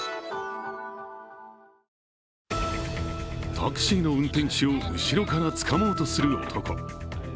タクシーの運転手を後ろからつかもうとする男。